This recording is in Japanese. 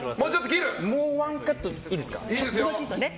もう１カットいいですか。